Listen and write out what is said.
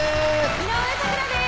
井上咲楽です